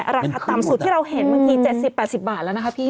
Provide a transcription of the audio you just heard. ราคาต่ำสุดที่เราเห็นบางที๗๐๘๐บาทแล้วนะคะพี่